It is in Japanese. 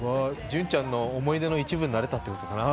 Ｊｕｎちゃんの思い出の一部になれたってことかな？